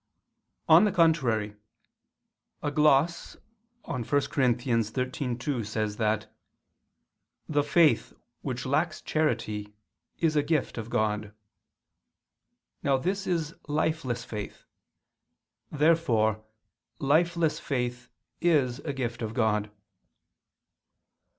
On the contrary, A gloss on 1 Cor. 13:2 says that "the faith which lacks charity is a gift of God." Now this is lifeless faith. Therefore lifeless faith is a gift of God.